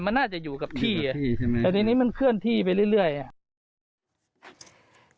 มันน่าจะอยู่กับที่อ่ะที่ใช่ไหมแต่ทีนี้มันเคลื่อนที่ไปเรื่อยอ่ะ